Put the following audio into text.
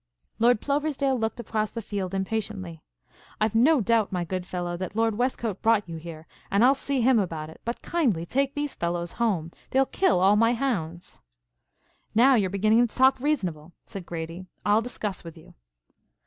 Lord Ploversdale looked across the field impatiently. "I've no doubt, my good fellow, that Lord Westcote brought you here, and I'll see him about it, but kindly take these fellows home. They'll kill all my hounds." "Now you're beginning to talk reasonable," said Grady. "I'll discuss with you."